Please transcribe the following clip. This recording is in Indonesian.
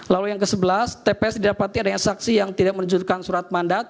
lalu yang ke sebelas tps didapati dengan saksi yang tidak menunjukkan surat mandat